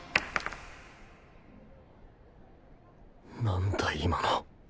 何だ今の